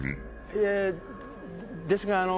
いえですがあの。